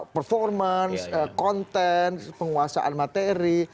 performance konten penguasaan materi